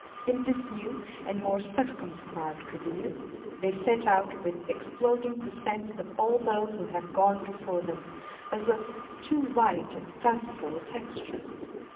In this new and more circumscribed career, they set out with exploding the sense of all those who have gone before them, as of too light and fanciful a texture.